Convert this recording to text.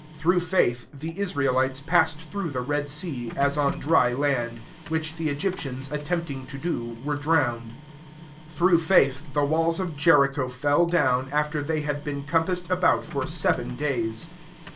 29 Through faith, the laraeU tee passed through the Red sea IS on dry land: which the Egyptians attempting to do, vcre drownect ^ Through aith, the walls or Jericho fell lown, after they had been com )assed about/or seven days.